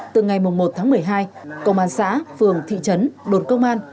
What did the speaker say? từ ngày một tháng một mươi hai công an xã phường thị trấn đồn công an